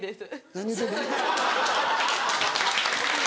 何言うてる？